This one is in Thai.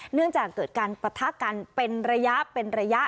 เนื่องจากเกิดการปะทะกันเป็นระยะเป็นระยะ